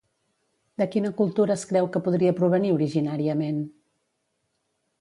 De quina cultura es creu que podria provenir originàriament?